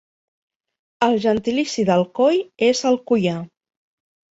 El gentilici d'Alcoi és alcoià.